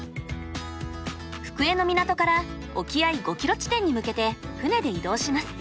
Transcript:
福江の港から沖合５キロ地点に向けて船で移動します。